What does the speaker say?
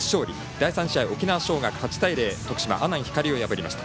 第３試合、沖縄尚学８対０で徳島、阿南光を破りました。